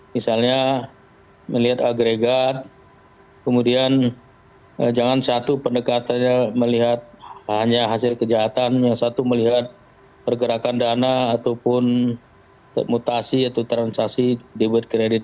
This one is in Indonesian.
misalnya melihat agregat kemudian jangan satu pendekatannya melihat hanya hasil kejahatan yang satu melihat pergerakan dana ataupun mutasi atau transaksi dibuat kredit